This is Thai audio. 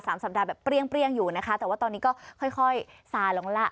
สัปดาห์แบบเปรี้ยเปรี้ยงอยู่นะคะแต่ว่าตอนนี้ก็ค่อยค่อยซาลงล่ะ